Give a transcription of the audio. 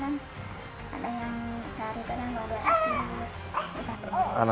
anak kecil kecil ini